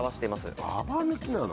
あっババ抜きなの。